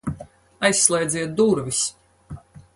Aizslēdziet durvis!